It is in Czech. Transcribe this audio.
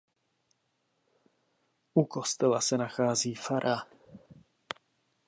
U kostela se nachází fara.